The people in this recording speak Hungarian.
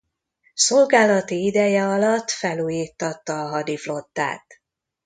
Szolgálati ideje alatt felújíttatta a hadiflottát.